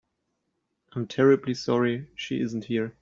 I'm terribly sorry she isn't here.